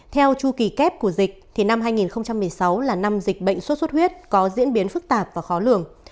theo chu kỳ kép của dịch thì năm hai nghìn một mươi sáu là năm dịch bệnh sốt xuất huyết có diễn biến phức tạp và khó lường